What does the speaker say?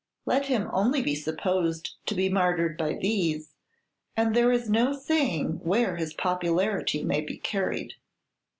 Let him only be supposed to be martyred by these, and there is no saying where his popularity may be carried.